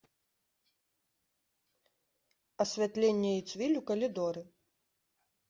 Асвятленне і цвіль у калідоры.